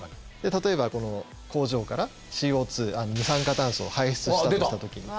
例えばこの工場からＣＯ二酸化炭素を排出したりした時に。